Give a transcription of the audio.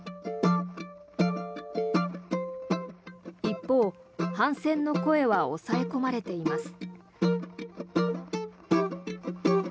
一方、反戦の声は抑え込まれています。